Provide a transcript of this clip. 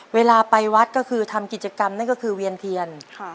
เวลาไปวัดก็คือทำกิจกรรมนั่นก็คือเวียนเทียน